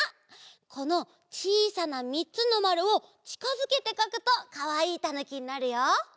このちいさなみっつのまるをちかづけてかくとかわいいたぬきになるよ。